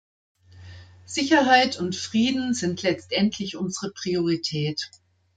Sicherheit und Frieden sind letztendlich unsere Priorität.